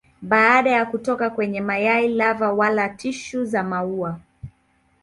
Baada ya kutoka kwenye mayai lava wala tishu za maua.